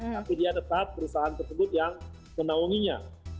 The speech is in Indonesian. tapi dia tetap perusahaan tersebut yang menaunginya